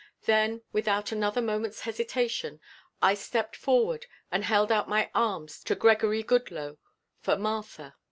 Then without another moment's hesitation I stepped forward and held out my arms to Gregory Goodloe for Martha.